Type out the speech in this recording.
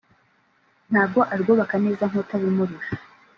ntago arwubaka neza nk’utabimurusha